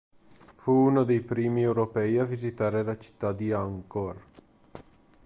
Fu uno dei primi europei a visitare la città di Angkor.